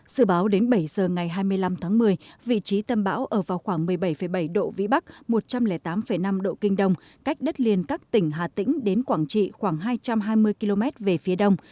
sự báo đến bảy giờ ngày hai mươi năm tháng một mươi vị trí tâm bão ở vào khoảng một mươi bảy bảy độ vĩ bắc một trăm linh tám năm độ kinh đông cách đất liền các tỉnh hà tĩnh đến quảng trị khoảng hai trăm hai mươi km về phía đông